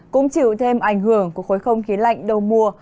cũng chịu thêm ảnh hưởng của khối không khí lạnh đầu mùa